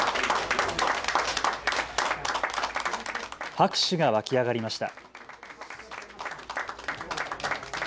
拍手が沸き上がりました。